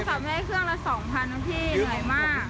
โทรศัพท์ไม่ให้เครื่องละ๒๐๐๐บาทนะพี่เหลือมาก